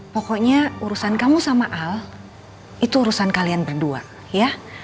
pokoknya urusan kamu sama al itu urusan kalian berdua ya